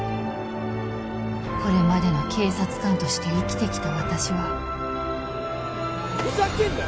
これまでの警察官として生きてきた私は・ふざけんなよ